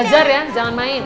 belajar ya jangan main